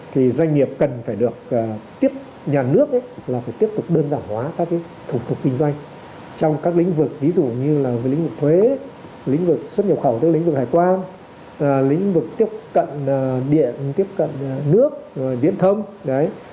thì doanh nghiệp cần phải được tiếp nhà nước là phải tiếp tục đơn giản hóa các thủ tục kinh doanh trong các lĩnh vực ví dụ như là lĩnh vực thuế lĩnh vực xuất nhập khẩu tức lĩnh vực hải quan lĩnh vực tiếp cận điện tiếp cận nước viễn thông